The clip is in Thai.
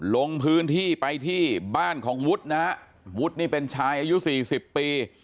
ลงพื้นที่ไปที่บ้านของวุฒินะฮะวุฒินี่เป็นชายอายุสี่สิบปี